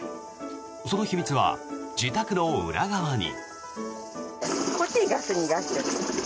その秘密は自宅の裏側に。